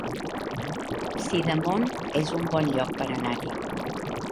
Sidamon es un bon lloc per anar-hi